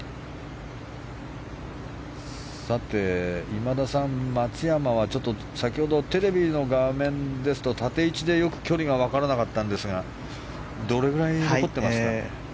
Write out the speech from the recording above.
今田さん、松山は先ほどテレビの画面ですと縦位置で、よく距離が分からなかったんですがどれぐらい残ってますか？